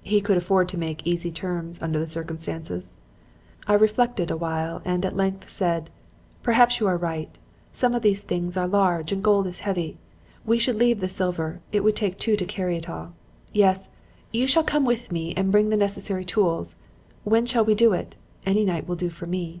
"He could afford to make easy terms under the circumstances. "I reflected awhile and at length said, 'Perhaps you are right. Some of the things are large and gold is heavy we should leave the silver. It would take two to carry it all. Yes, you shall come with me and bring the necessary tools. When shall we do it? Any night will do for me.'